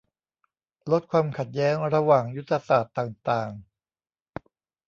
ลดความขัดแย้งระหว่างยุทธศาสตร์ต่างต่าง